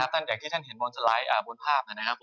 อย่างที่ท่านเห็นบนสไลด์บนภาพนะครับ